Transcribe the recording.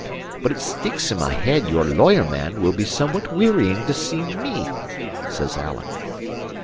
But it sticks in my head your lawyer man will be somewhat wearying to see me," says Alan.